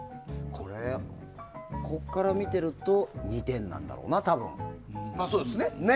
ここから見ていると２点なんだろうな、多分。